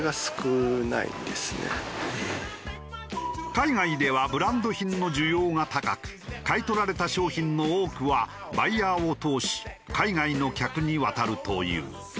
海外ではブランド品の需要が高く買い取られた商品の多くはバイヤーを通し海外の客に渡るという。